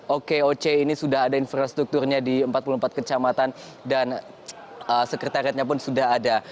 okoc ini sudah ada infrastrukturnya di empat puluh empat kecamatan dan sekretariatnya pun sudah ada